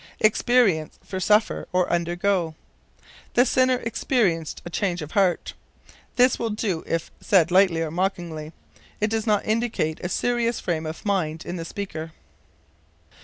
Experience for Suffer, or Undergo. "The sinner experienced a change of heart." This will do if said lightly or mockingly. It does not indicate a serious frame of mind in the speaker.